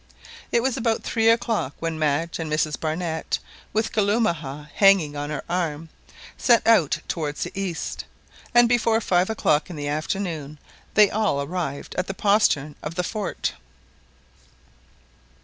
It was about three o'clock when Madge and Mrs Barnett, with Kalumah hanging on her arm, set out towards the east, and before five o'clock in the afternoon they all arrived at the postern of the fort.